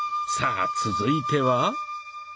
さあ続いては？